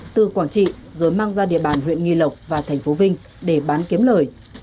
từ quảng trị rồi mang ra địa bàn huyện nghi lộc và thành phố vinh để bán kiếm lời